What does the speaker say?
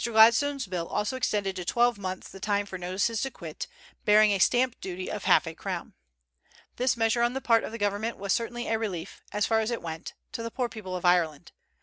Gladstone's bill also extended to twelve months the time for notices to quit, bearing a stamp duty of half a crown. This measure on the part of the government was certainly a relief, as far as it went, to the poor people of Ireland.